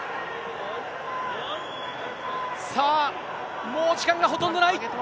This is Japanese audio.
さあ、もう時間がほとんどない。